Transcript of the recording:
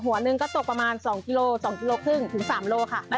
หัวหนึ่งก็ตกประมาณ๒๒๕กิโลกรัมถึง๓โลกรัมค่ะ